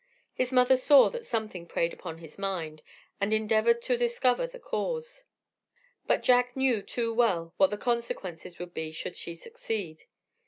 His mother saw that something preyed upon his mind, and endeavoured to discover the cause; but Jack knew too well what the consequence would be should she succeed.